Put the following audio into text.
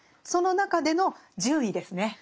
その中での順位ですね